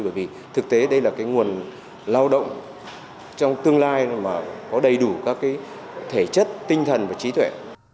bởi vì thực tế đây là nguồn lao động trong tương lai có đầy đủ các thể chất tinh thần và trí tuệ